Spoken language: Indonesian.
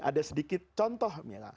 ada sedikit contoh